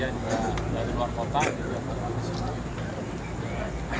ya juga dari luar kota